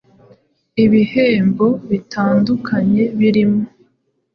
ibihembo bitandukanye birimo